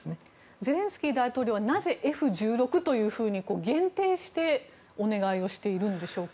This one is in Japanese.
ゼレンスキー大統領はなぜＦ１６というふうに限定してお願いをしているんでしょうか？